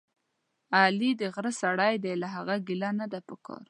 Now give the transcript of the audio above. علي دغره سړی دی، له هغه ګیله نه ده پکار.